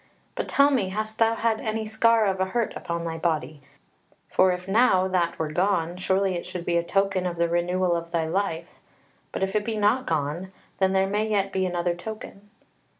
But tell me, hast thou had any scar of a hurt upon thy body? For if now that were gone, surely it should be a token of the renewal of thy life. But if it be not gone, then there may yet be another token."